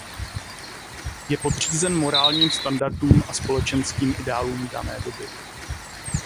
Je podřízen morálním standardům a společenským ideálům dané doby.